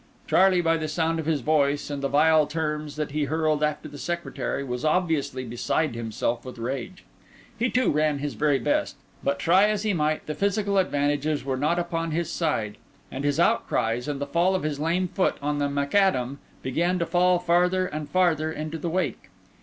Charlie, by the sound of his voice and the vile terms that he hurled after the secretary, was obviously beside himself with rage. He, too, ran his very best; but, try as he might, the physical advantages were not upon his side, and his outcries and the fall of his lame foot on the macadam began to fall farther and farther into the wake.